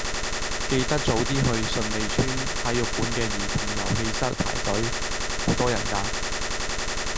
記得早啲去順利邨體育館嘅兒童遊戲室排隊，好多人㗎。